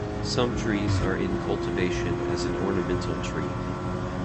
Some trees are in cultivation as an ornamental tree.